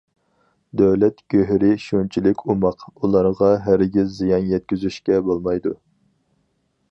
دۆلەت گۆھىرى شۇنچىلىك ئوماق، ئۇلارغا ھەرگىز زىيان يەتكۈزۈشكە بولمايدۇ.